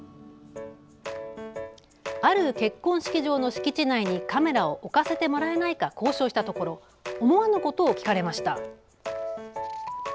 ある結婚式場の敷地内にカメラを置かせてもらえないか交渉したところ思わぬことを聞かれました。